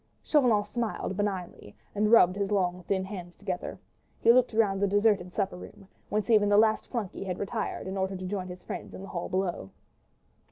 Chauvelin smiled benignly, and rubbing his long, thin hands together, he looked round the deserted supper room, whence even the last flunkey had retired in order to join his friends in the hall below.